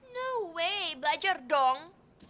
no way belajar dong